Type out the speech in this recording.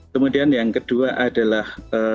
kemudian yang kedua adalah